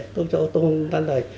tôi không tan tài